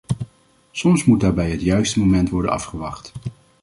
Soms moet daarbij het juiste moment worden afgewacht.